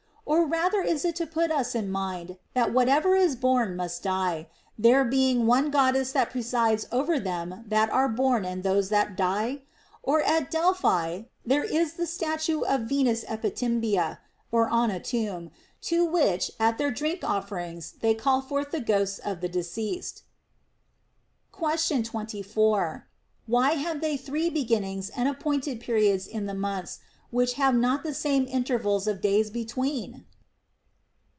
Or rather is it to put us in mind that whatever is born must die, there being one Goddess that presides over them that are born and those that die \ And at Delphi there is the statue of Venus Epitymbia (on a tomb), to which at their drink offerings they call forth the ghosts of the deceased. Question 24. Why have they three beginnings and ap pointed periods in the months which have not the same interval of days between